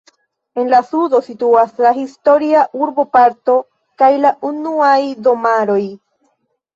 En la sudo situas la historia urboparto kaj la unuaj domaroj.